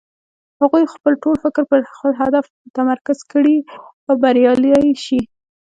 هغوی خپل ټول فکر پر خپل هدف متمرکز کړي او بريالی شي.